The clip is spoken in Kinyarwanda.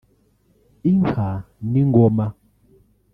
inka n’ingoma